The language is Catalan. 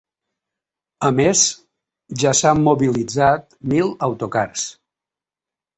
A més, ja s’han mobilitzat mil autocars.